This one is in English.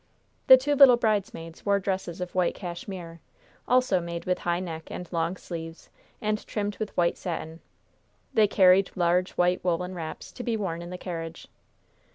The two little bridesmaids wore dresses of white cashmere, also made with high neck and long sleeves, and trimmed with white satin. They carried large white woolen wraps, to be worn in the carriage.